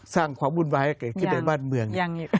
สร้างความวุ่นวายให้เกิดขึ้นในบ้านเมือง